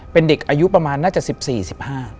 เป็นเด็กอายุประมาณน่าจะ๑๔๑๕ปี